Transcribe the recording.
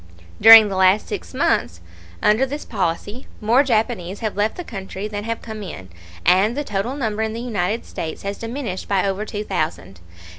During the last six months under this policy more Japanese have left the country than have come in, and the total number in the United States has diminished by over two thousand.